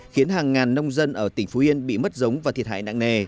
khiến hàng ngàn nông dân đã bị ngập ốm nghiêm trọng